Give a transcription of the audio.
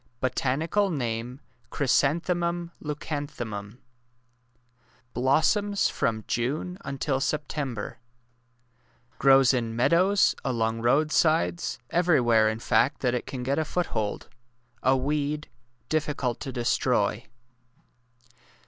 Botanical name Chrysanthemmn Leucan tliemum. Blossoms from Jmie until September. Grows in meadows, along roadsides— every where, in fact, that it can get a foothold— a weed— difficult to destroy.